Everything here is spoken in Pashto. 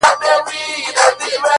• لکه سپر د خوشحال خان وم ,